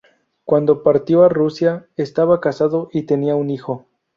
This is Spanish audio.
Cuando partió a Rusia estaba casado y tenía un hijo.